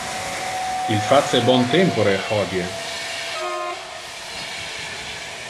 Il face bon tempore hodie.